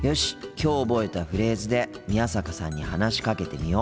きょう覚えたフレーズで宮坂さんに話しかけてみよう。